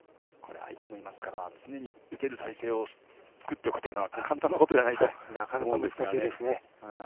相手もいますから常に打てる体勢を作っておくのは簡単なことではないと思います。